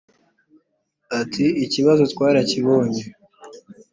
Ati “ikibazo twarakibonye